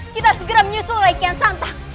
kita harus segera menyusul raih kian santang